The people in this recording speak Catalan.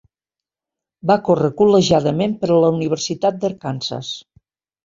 Va córrer col·legiadament per a la Universitat d"Arkansas.